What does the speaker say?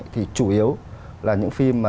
thì chủ yếu là những phim